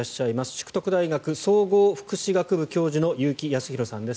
淑徳大学総合福祉学部教授の結城康博さんです。